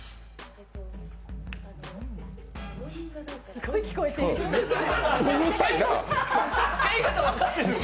すごい聞こえてる。